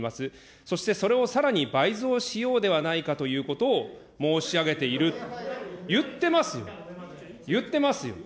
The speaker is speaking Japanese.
そしてそれをさらに倍増しようではないかということを、申し上げている、言ってます、言ってますよ。